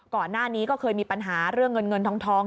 ก่อนหน้านี้ก็เคยมีปัญหาเรื่องเงินเงินทอง